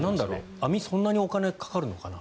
網、そんなにお金かかるのかな？